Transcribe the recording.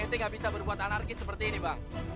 nanti gak bisa berbuat anarkis seperti ini bang